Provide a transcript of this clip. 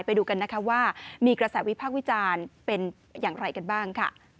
ไปดูกันนะคะว่ามีกระแสวิพากษ์วิจารณ์เป็นอย่างไรกันบ้างค่ะ